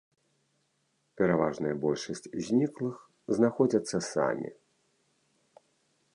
Пераважная большасць зніклых знаходзяцца самі.